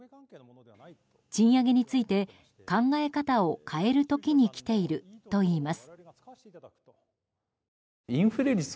賃上げについて考え方を変える時に来ているといいます。